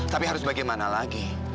tapi harus bagaimana lagi